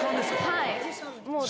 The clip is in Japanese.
はい。